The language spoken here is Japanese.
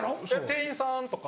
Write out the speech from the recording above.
「店員さん」とか。